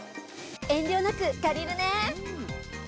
遠慮なく借りるね。